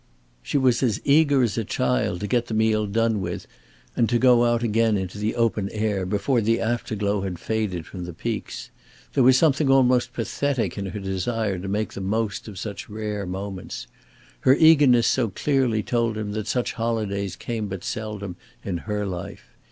She was as eager as a child to get the meal done with and to go out again into the open air, before the after glow had faded from the peaks. There was something almost pathetic in her desire to make the very most of such rare moments. Her eagerness so clearly told him that such holidays came but seldom in her life.